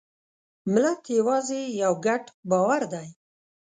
ملت یوازې یو ګډ باور دی.